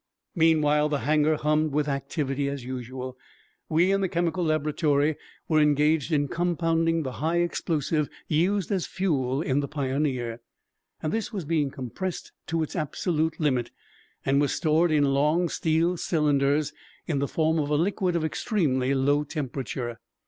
Meanwhile the hangar hummed with activity as usual. We in the chemical laboratory were engaged in compounding the high explosive used as fuel in the Pioneer. This was being compressed to its absolute limit and was stored in long steel cylinders in the form of a liquid of extremely low temperature.